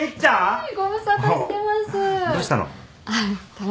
はい。